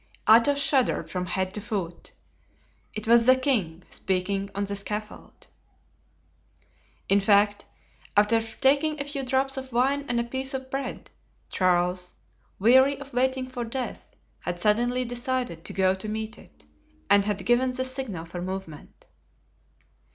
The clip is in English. Athos shuddered from head to foot. It was the king speaking on the scaffold. In fact, after taking a few drops of wine and a piece of bread, Charles, weary of waiting for death, had suddenly decided to go to meet it and had given the signal for movement.